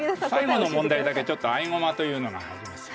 最後の問題だけ合駒というのが入ります。